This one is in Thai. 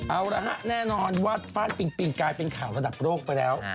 เอาละฮะแน่นอนวาดฟ่านปิงปิงกลายเป็นข่าวระดับโลกไปแล้ว